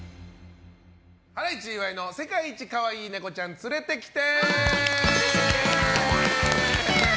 ハライチ岩井の世界一かわいいネコちゃん連れてきて！